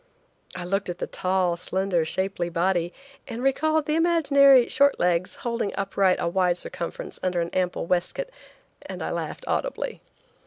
I looked at the tall, slender, shapely body, and recalled the imaginary short legs, holding upright a wide circumference under an ample waistcoat, and I laughed audibly.